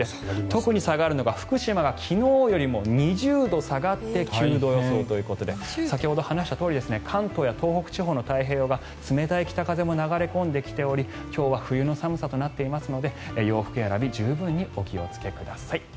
特に下がるのが福島が昨日よりも２０度下がって９度予想ということで先ほど話したとおり関東や東北地方の太平洋側冷たい北風も流れ込んできており今日は冬の寒さとなっていますので洋服選び十分にお気をつけください。